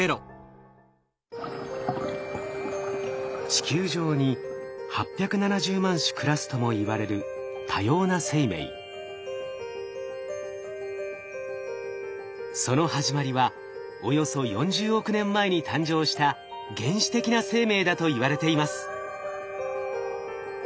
地球上に８７０万種暮らすともいわれるその始まりはおよそ４０億年前に誕生した原始的な生命だといわれています。